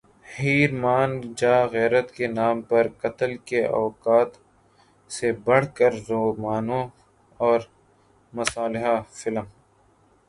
ہیر مان جا غیرت کے نام پر قتل کے واقعات سے بڑھ کر رومانوی اور مصالحہ فلم